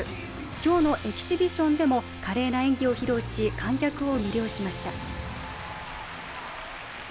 今日のエキシビションでも華麗な演技を披露し、観客を魅了しました。